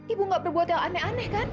ibu gak berbuat yang aneh aneh kan